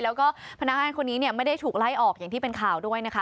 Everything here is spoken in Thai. แล้วก็พนักงานคนนี้เนี่ยไม่ได้ถูกไล่ออกอย่างที่เป็นข่าวด้วยนะคะ